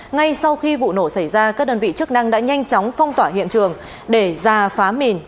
ngay sau khi vụ nổ xảy ra các đơn vị chức năng đã nhanh chóng phong tỏa hiện trường để ra phá mìn